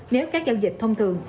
nếu các giao dịch thông thường